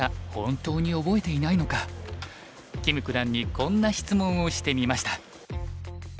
金九段にこんな質問をしてみました。